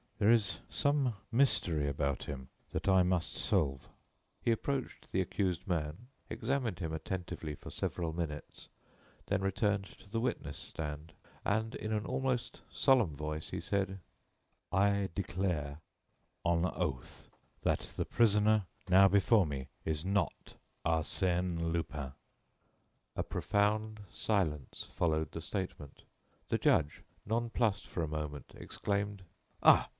There is some mystery about him that I must solve." He approached the accused man, examined him attentively for several minutes, then returned to the witness stand, and, in an almost solemn voice, he said: "I declare, on oath, that the prisoner now before me is not Arsène Lupin." A profound silence followed the statement. The judge, nonplused for a moment, exclaimed: "Ah!